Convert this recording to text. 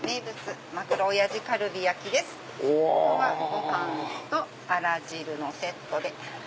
ご飯とあら汁のセットで。